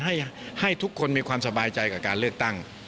ให้ทุกคนมีความสบายใจกับการเลือกตั้ง